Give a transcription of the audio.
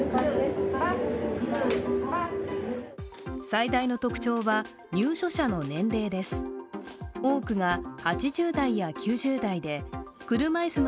最大の特徴は入所者の年齢です。